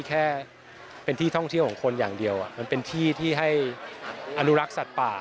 แค่เป็นที่ท่องเที่ยวของคนอย่างเดียวมันเป็นที่ที่ให้อนุรักษ์สัตว์ป่า